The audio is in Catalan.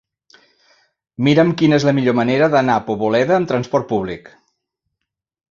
Mira'm quina és la millor manera d'anar a Poboleda amb trasport públic.